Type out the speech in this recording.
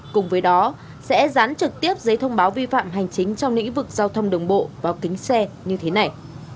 cùng với đó sẽ rán trực tiếp giấy thông báo vi phạm hành chính trong lĩnh vực giao thông đường bộ vào kính xe như thế này